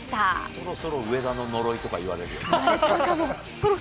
そろそろ上田の呪いとか言われるよ。